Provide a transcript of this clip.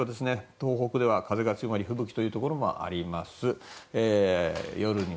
東北では風が強まり吹雪というところもあります。